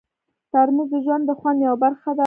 ترموز د ژوند د خوند یوه برخه ده.